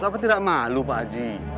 tapi tidak malu pak haji